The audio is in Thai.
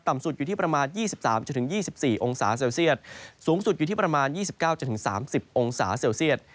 สุดอยู่ที่ประมาณ๒๓๒๔องศาเซลเซียตสูงสุดอยู่ที่ประมาณ๒๙๓๐องศาเซลเซียต